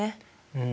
うん。